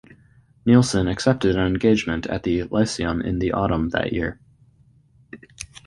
Neilson accepted an engagement at the Lyceum in the autumn that year.